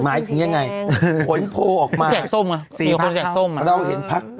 หมายถึงยังไงอืมผลโพลออกมาส้มสี่ภาคครับส้ม